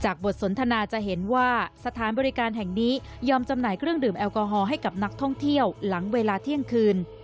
บทสนทนาจะเห็นว่าสถานบริการแห่งนี้ยอมจำหน่ายเครื่องดื่มแอลกอฮอล์ให้กับนักท่องเที่ยวหลังเวลาเที่ยงคืน